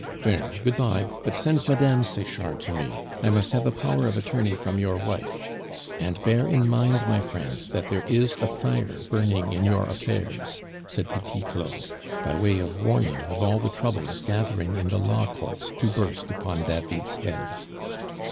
"There, good bye, but send Mme. Sechard to me; I must have a power of attorney from your wife. And bear in mind, my friend, that there is a fire burning in your affairs," said Petit Claud, by way of warning of all the troubles gathering in the law courts to burst upon David's head.